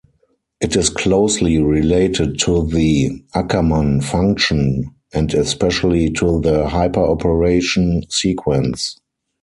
It is closely related to the Ackermann function and especially to the hyperoperation sequence.